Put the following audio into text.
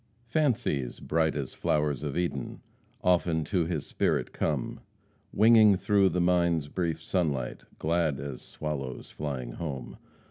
"Fancies, bright as flowers of Eden, Often to his spirit come, Winging through the mind's brief sunlight, Glad as swallows flying home.